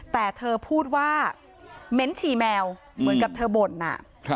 แต่เธอพูดว่าเม้นฉี่แมวเหมือนกับเธอบ่นอ่ะ